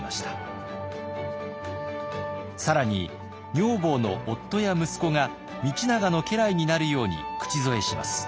更に女房の夫や息子が道長の家来になるように口添えします。